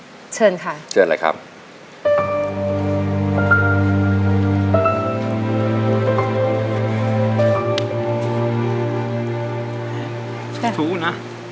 พ่อผมจะช่วยพ่อผมจะช่วยพ่อผมจะช่วย